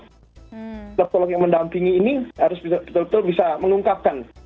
psikolog yang mendampingi ini harus betul betul bisa mengungkapkan